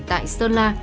tại sơn la